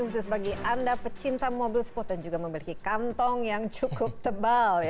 khusus bagi anda pecinta mobil sport yang juga memiliki kantong yang cukup tebal